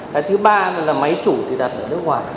cái thứ ba là máy chủ thì đặt ở nước ngoài